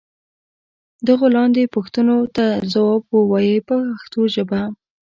دغو لاندې پوښتنو ته ځواب و وایئ په پښتو ژبه.